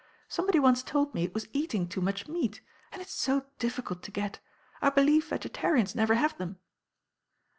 Somebody once told me it was eating too much meat. And it's so difficult to get. I believe vegetarians never have them."